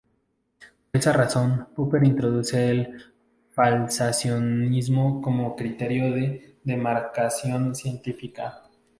Por esa razón Popper introduce el falsacionismo como criterio de demarcación científica.